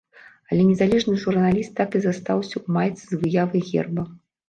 Але незалежны журналіст так і застаўся ў майцы з выявай герба.